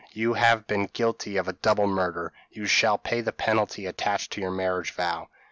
You have been guilty of a double murder: you shall pay the penalty attached to your marriage vow.